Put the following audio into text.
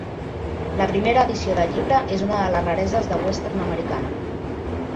La primera edició del llibre és una de les rareses de Western Americana.